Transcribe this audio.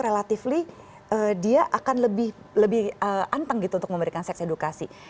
relatively dia akan lebih anteng gitu untuk memberikan seks edukasi